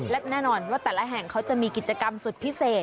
และแน่นอนว่าแต่ละแห่งเขาจะมีกิจกรรมสุดพิเศษ